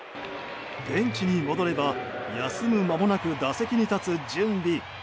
ベンチに戻れば休む間もなく打席に立つ準備。